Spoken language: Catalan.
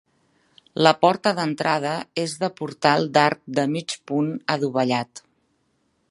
La porta d'entrada és de portal d'arc de mig punt adovellat.